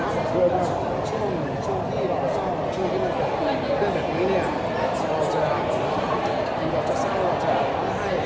มันก็ขึ้นไปแล้วถ้าเราคลุกกับแม่งด้านจำนาจเขาจะโปรดใจ